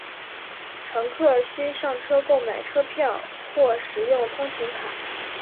乘客需上车购买车票或使用通勤卡。